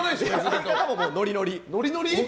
相方もノリノリ。